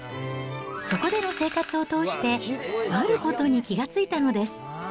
そこでの生活を通して、あることに気が付いたのです。